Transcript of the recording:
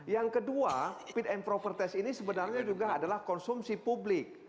yang kedua fit and proper test ini sebenarnya juga adalah konsumsi publik